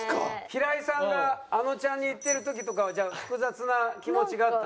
平井さんがあのちゃんにいってる時とかはじゃあ複雑な気持ちがあった？